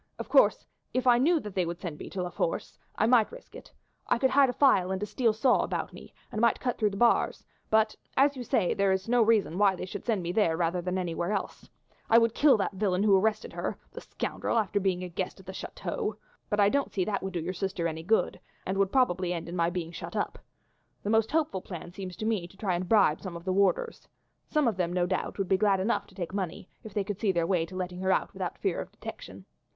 "Of course, if I knew that they would send me to La Force, I might risk it. I could hide a file and a steel saw about me, and might cut through the bars; but, as you say, there is no reason why they should send me there rather than anywhere else. I would kill that villain who arrested her the scoundrel, after being a guest at the chateau! but I don't see that would do your sister any good, and would probably end in my being shut up. The most hopeful plan seems to me to try and bribe some of the warders. Some of them, no doubt, would be glad enough to take money if they could see their way to letting her out without fear of detection."